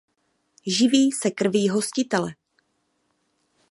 Živí se krví hostitele.